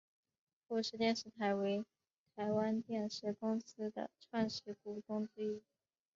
富士电视台为台湾电视公司的创始股东之一。